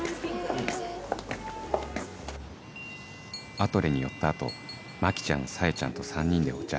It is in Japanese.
アトレに寄った後マキちゃんサエちゃんと３人でお茶